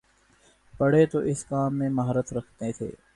بڑے تو اس کام میں مہارت رکھتے تھے۔